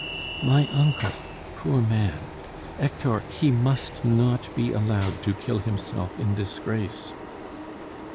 "My uncle! poor man! Hector, he must not be allowed to kill himself in disgrace."